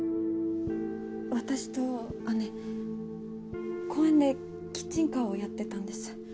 私と姉公園でキッチンカーをやってたんです。